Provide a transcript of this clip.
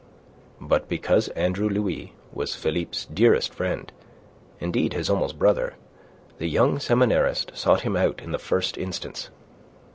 But because Andre Louis was Philippe's dearest friend indeed, his almost brother the young seminarist sought him out in the first instance.